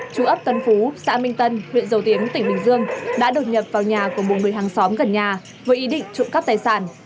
chú ấp tân phú xã minh tân huyện dầu tiếng tỉnh bình dương đã đột nhập vào nhà của một người hàng xóm gần nhà với ý định trộm cắp tài sản